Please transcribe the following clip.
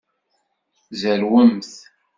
Zerwemt.